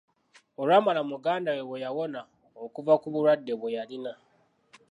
Olwamala muganda we yawona okuva ku bulwadde bwe yalina.